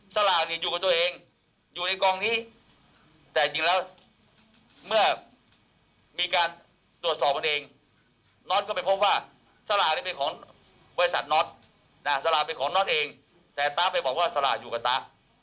สลากเป็นของนอทเองใช่ครับแต่ต้าไปบอกว่าสลาคอยู่กับต้า